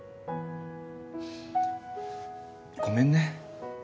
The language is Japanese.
ごめんね。